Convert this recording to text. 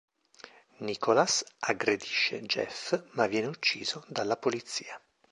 Nicholas aggredisce Jeff, ma viene ucciso dalla polizia.